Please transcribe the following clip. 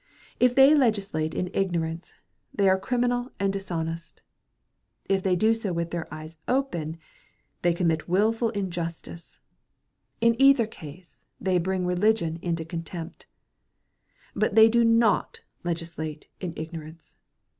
If they legislate in ignorance, they are criminal and dishonest; if they do so with their eyes open, they commit wilful injustice; in either case, they bring religion into contempt. But they do NOT legislate in ignorance.